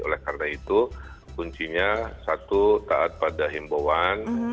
oleh karena itu kuncinya satu taat pada himbauan